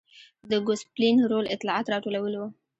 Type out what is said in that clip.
د ګوسپلین رول اطلاعات راټولول و.